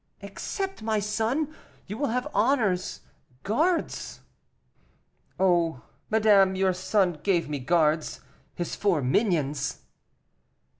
"Accept, my son; you will have honors, guards." "Oh, madame, your son gave me guards his four minions!"